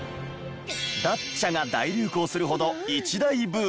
「だっちゃ」が大流行するほど一大ブームに。